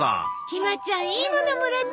ひまちゃんいいものもらったね。